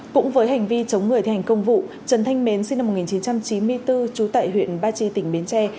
cũng với hành vi chống người thi hành công vụ trần thanh mến sinh năm một nghìn chín trăm chín mươi bốn trú tại huyện ba chi tỉnh bến tre